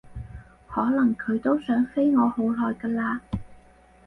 可能佢都想飛我好耐㗎喇